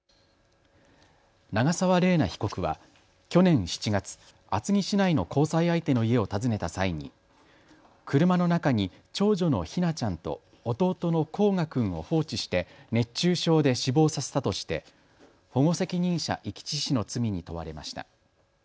長澤麗奈被告は去年７月、厚木市内の交際相手の家を訪ねた際に車の中に長女の姫梛ちゃんと弟の煌翔君を放置して熱中症で死亡させたとして、保護責任者遺棄致死の罪に問われました。